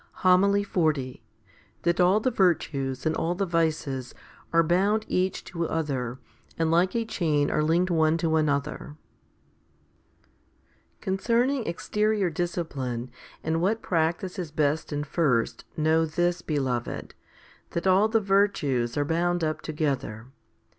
1 2 Pet. i. 4. 260 HOMILY XL That all the virtues and all the vices are bound each to other, and like a chain are linked one to another. 1. CONCERNING exterior discipline, and what practice is best and first, know this, beloved, that all the virtues are bound up together.